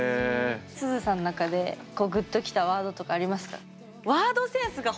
すずさんの中でこうグッときたワードとかありますか？